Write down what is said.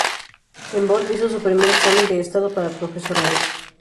En Bonn hizo su primer examen de estado para profesorado.